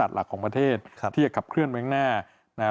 หลักของประเทศที่จะขับเคลื่อนไว้ข้างหน้านะครับ